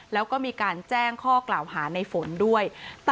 แล้วก็มีการแจ้งข้อกล่าวหาในฝนด้วย